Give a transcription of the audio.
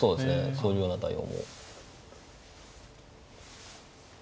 そういうような対応も。